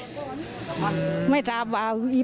เพราะถูกทำร้ายเหมือนการบาดเจ็บเนื้อตัวมีแผลถลอก